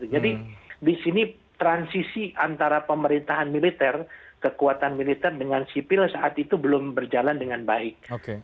jadi di sini transisi antara pemerintahan militer kekuatan militer dengan sipil saat itu belum berjalan dengan baik